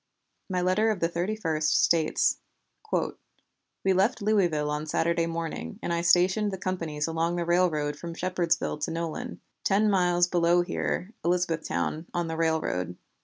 My letter of the 31st states: "We left Louisville on Saturday morning, and I stationed the companies along the railroad from Shepardsville to Nolin, ten miles below here (Elizabethtown) on the railroad.